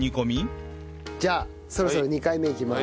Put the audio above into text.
じゃあそろそろ２回目いきます。